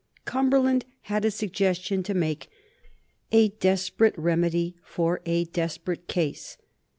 Cumberland had a suggestion to make, a desperate remedy for a desperate case.